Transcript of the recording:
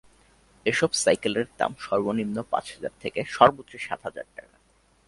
এসব সাইকেলের দাম সর্বনিম্ন পাঁচ হাজার থেকে সর্বোচ্চ সাত হাজার টাকা।